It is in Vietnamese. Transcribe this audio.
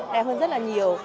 đẹp hơn rất là nhiều